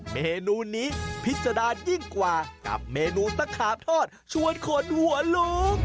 เมนูนี้พิษดารยิ่งกว่ากับเมนูตะขาบทอดชวนขนหัวลุก